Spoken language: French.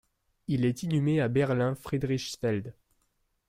Il est inhumé à Berlin-Friedrichsfelde.